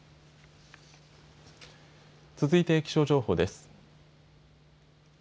続いて気象情報です。